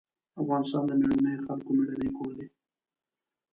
افغانستان د مېړنيو خلکو مېړنی کور دی.